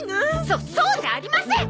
そそうじゃありません！